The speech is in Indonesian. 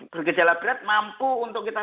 bergejala berat mampu untuk kita